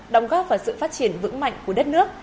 đóng góp vào sự phát triển vững mạnh của đất nước